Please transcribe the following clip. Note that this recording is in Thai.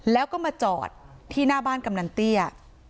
แล้วก็มาจอดที่หน้าบ้านกำนันเตี้ย